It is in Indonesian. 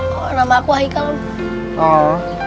kalau nama aku haikal om